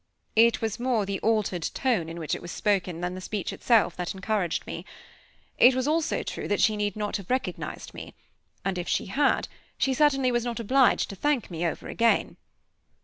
It was more the altered tone in which it was spoken, than the speech itself, that encouraged me. It was also true that she need not have recognized me; and if she had, she certainly was not obliged to thank me over again.